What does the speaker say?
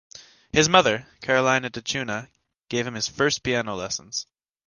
His mother, Carolina da Cunha gave him his first piano lessons.